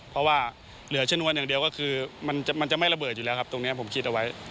เพราะว่าเหลือชนวนอย่างเดียวก็คือมันจะไม่ระเบิดอยู่แล้วครับตรงนี้ผมคิดเอาไว้